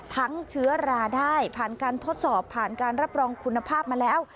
เชื้อราได้ผ่านการทดสอบผ่านการรับรองคุณภาพมาแล้ว